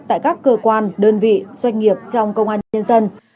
tại các cơ quan đơn vị doanh nghiệp trong công an nhân dân